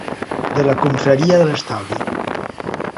De la confraria de l'estalvi.